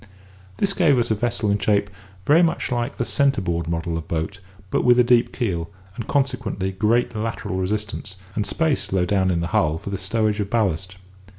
This gave us a vessel in shape very much like the centre board model of boat, but with a deep keel, and consequently great lateral resistance, and space low down in the hull for the stowage of ballast.